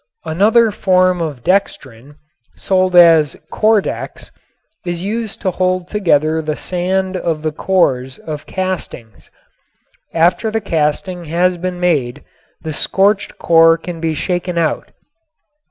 Another form of dextrin sold as "Kordex" is used to hold together the sand of the cores of castings. After the casting has been made the scorched core can be shaken out.